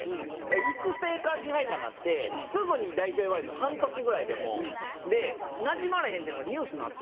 育成から支配下になってすぐに代表呼ばれて半年ぐらいでもう。でなじまれへんっていうのがニュースになったんですよ。